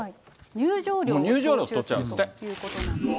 入場料を徴収するということなんです。